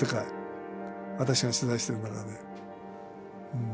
私が取材してる中で。